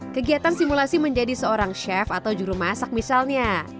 kegiatan simulasi menjadi seorang chef atau jurumasak misalnya